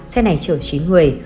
xe này chở chín người